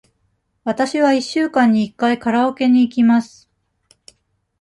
わたしは一週間に一回カラオケに行きます。